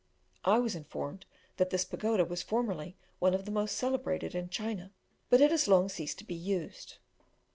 I was informed that this pagoda was formerly one of the most celebrated in China, but it has long ceased to be used.